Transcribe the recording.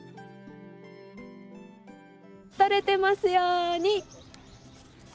撮れてますように。